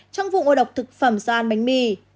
trong vụ ngộ độc thực phẩm do ăn bánh mì